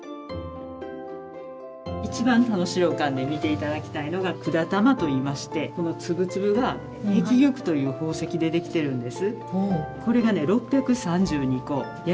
一番田能資料館で見ていただきたいのが管玉といいましてこの粒々が碧玉という宝石で出来てるんです。